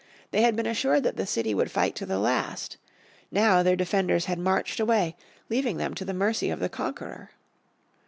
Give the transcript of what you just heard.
They had been assured that the city would fight to the last. Now their defenders had marched away leaving them to the mercy of the conqueror.